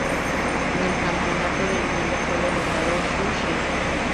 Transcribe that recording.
En el Campeonato del Mundo, fue derrotado Xu Xin.